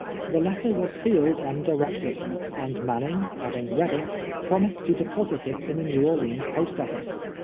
Tlie letter v» as sealed and directed, and Manning, having read it, promised to deposit it in the Kew Orleans post office.